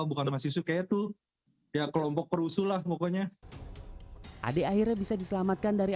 bukan masih suka itu ya kelompok perusuh lah pokoknya ade akhirnya bisa diselamatkan dari